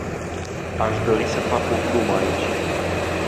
Aș dori să fac o glumă aici.